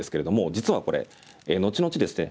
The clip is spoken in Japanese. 実はこれ後々ですね